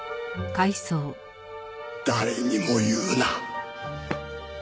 誰にも言うな。